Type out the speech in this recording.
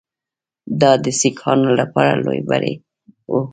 دا د سیکهانو لپاره لوی بری وو.